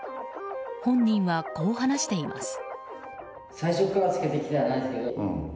本人はこう話しています。